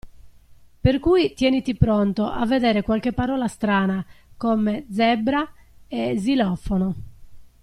Per cui tieniti pronto a vedere qualche parola strana, come zebra e xilofono.